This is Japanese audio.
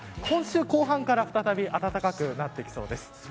今週後半から再び温かくなってきそうです。